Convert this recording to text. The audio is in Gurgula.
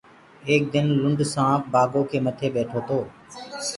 ايڪ دن لُنڊ سآنپ بآگو ڪي متي ٻيٺو تو۔